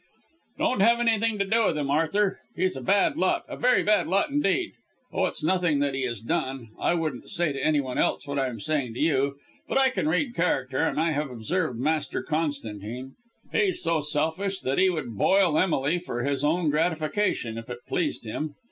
"Don't have anything to do with him, Arthur; he's a bad lot, a very bad lot indeed. Oh, it's nothing that he has done. I wouldn't say to anyone else what I am saying to you. But I can read character, and I have observed Master Constantine. He's so selfish that he would boil Emily for his own gratification, if it pleased him.